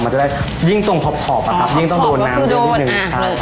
มันจะได้ยิ่งตรงถอบอ่ะครับยิ่งต้องโดนน้ำนิดนึง